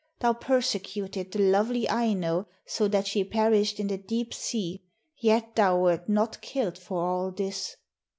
Thou persecuted the lovely Aino so that she perished in the deep sea, yet thou wert not killed for all this.'